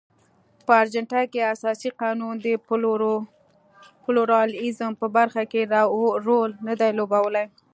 په ارجنټاین کې اساسي قانون د پلورالېزم په برخه کې رول نه دی لوبولی.